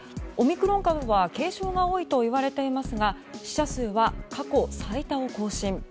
オミクロン株は軽症が多いといわれていますが死者数は過去最多を更新。